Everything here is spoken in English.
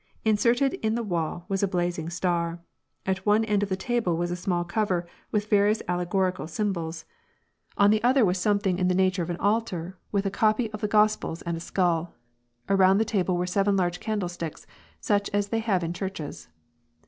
Inserted in the wall was a blazing star. At one end of the table was a small cover with various allegorical symbols ; 84 \VAk Atfb PEACE. on the other was something in the nature of an altar^ with a copy of the Gospels and a skull. Around the table were seven large candlesticks, such as they have in churches.